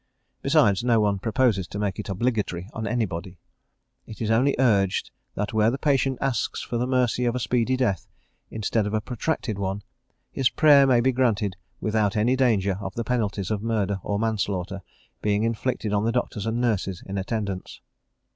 Besides, no one proposes to make it obligatory on anybody; it is only urged that where the patient asks for the mercy of a speedy death, instead of a protracted one, his prayer may be granted without any danger of the penalties of murder or manslaughter being inflicted on the doctors and nurses in attendance.